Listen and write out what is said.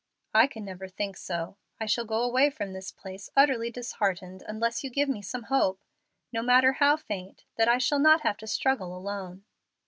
"I can never think so. I shall go away from this place utterly disheartened unless you give me some hope, no matter how faint, that I shall not have to struggle alone."